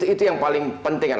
itu yang paling penting